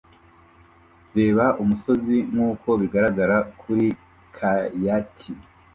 Reba umusozi nkuko bigaragara kuri kayaki